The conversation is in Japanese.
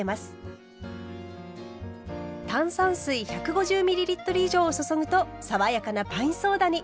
炭酸水１５０ｍ以上を注ぐと爽やかなパインソーダに！